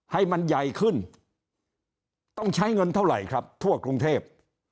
ให้มันใหญ่ขึ้นต้องใช้เงินเท่าไหร่ครับทั่วกรุงเทพ